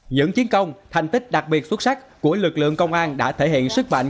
những chiến công thành tích đặc biệt xuất sắc của lực lượng công an đã thể hiện sức mạnh